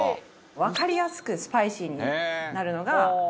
わかりやすくスパイシーになるのがカレー粉。